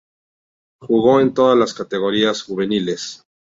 Jugó en todas las categorías juveniles.